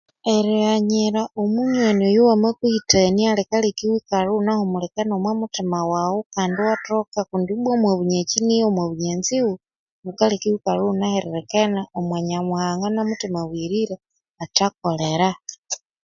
Erighanyira omunywani oyu wamakuhithania likaleka iwikalha ighunahumulikene omwa muthima waghu kandi wathoka kundi bwa omwa bunyakyinigha omwa bunya nzighu bukaleka iwikalha ighu nahiririkene omwa Nyamuhanga na muthima abuyirire athakolera